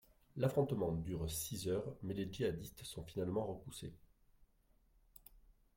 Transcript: L'affrontement dure six heures mais les djihadistes sont finalement repoussés.